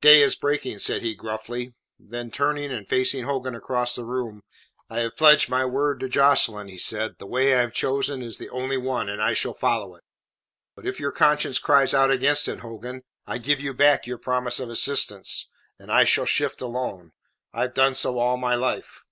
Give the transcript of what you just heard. "Day is breaking," said he gruffly. Then turning, and facing Hogan across the room, "I have pledged my word to Jocelyn," he said. "The way I have chosen is the only one, and I shall follow it. But if your conscience cries out against it, Hogan, I give you back your promise of assistance, and I shall shift alone. I have done so all my life."